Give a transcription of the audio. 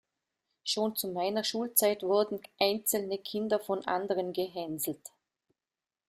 Schon zu meiner Schulzeit wurden einzelne Kinder von anderen gehänselt.